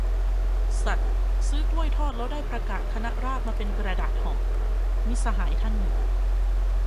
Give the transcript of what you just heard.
"สัส ซื้อกล้วยทอดแล้วได้ประกาศคณะราษฎรมาเป็นกระดาษห่อ" - มิตรสหายท่านหนึ่ง